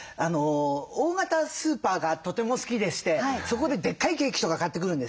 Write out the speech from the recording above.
大型スーパーがとても好きでしてそこででっかいケーキとか買ってくるんですよ。